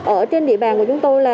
ở trên địa bàn của chúng tôi